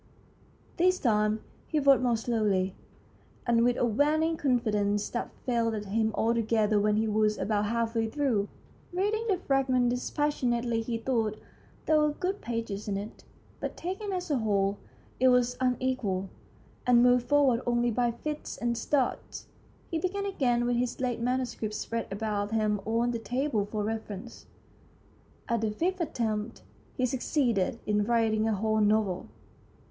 This time he wrote more slowly, and with a waning confidence that failed him altogether when he was about half way through. Reading the fragment dispassionately he thought there were good pages in it, but, taken as a whole, it was un equal, and moved forward only by fits and starts. He began again with his late manu script spread about him on the table for reference. At the fifth attempt he succeeded in writing a whole novel.